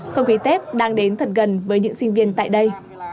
không khí tết đang đến thật gần với những sinh viên tại đây